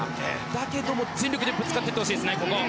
だけども、全力でぶつかっていってほしいですね。